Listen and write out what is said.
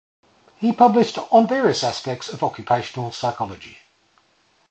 He published on various aspects of occupational psychology.